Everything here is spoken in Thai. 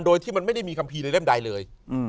โดยที่มันไม่ได้มีคำพีใบแรมใดเลย